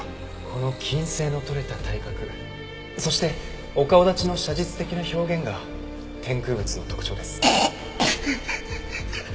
この均整のとれた体格そしてお顔立ちの写実的な表現が天空仏の特徴です。